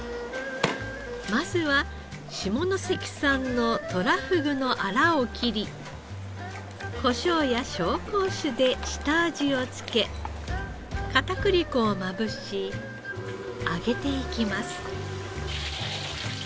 まずは下関産のとらふぐのあらを切りコショウや紹興酒で下味を付け片栗粉をまぶし揚げていきます。